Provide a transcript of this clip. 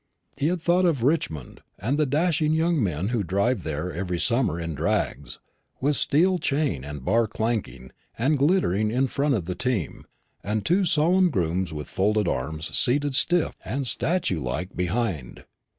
He had thought of Richmond, and the dashing young men who drive there every summer in drags, with steel chain and bar clanking and glittering in front of the team, and two solemn grooms with folded arms seated stiff and statue like behind.